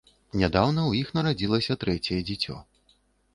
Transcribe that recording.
Нядаўна ў іх нарадзілася трэцяе дзіцё.